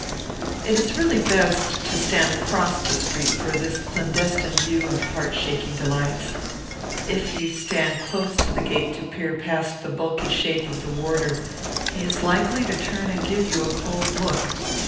It is really best to stand across the street for this clandestine view of heart shaking delights. If you stand close to the gate to peer past the bulky shape of the warder he is likely to turn and give you a cold look.